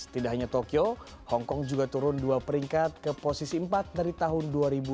tidak hanya tokyo hongkong juga turun dua peringkat ke posisi empat dari tahun dua ribu dua puluh